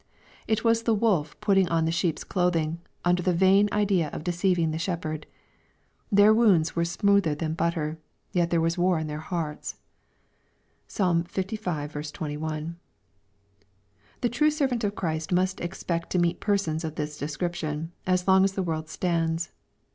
It was the wolf putting on the sheep's clothing, under the vain idea of deceiving the shepherd. *^ Their words were smoother than butter," yet there was \" war in their hearts," (Psalm Iv. 21.) The true servant of Christ must €xpect to meet persons of this description, as long as the world stands.